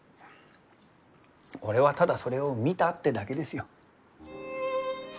俺はただそれを見たってだけですよ。